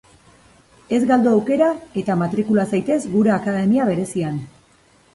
Ez galdu aukera, eta matrikula zaitez gure akademia berezian.